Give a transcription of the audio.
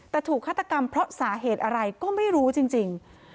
แต่ถูกฆาตกรรมเพราะสาเหตุอะไรก็ไม่รู้จริง